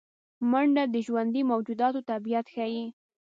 منډه د ژوندي موجوداتو طبیعت ښيي